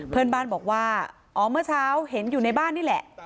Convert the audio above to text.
เพื่อนบ้านบอกว่าอ๋อเมื่อเช้าเห็นอยู่ในบ้านนี่แหละ